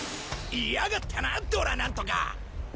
いやがったなドラなんとか。